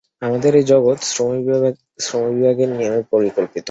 আমাদের এই জগৎ শ্রমবিভাগের নিয়মে পরিকল্পিত।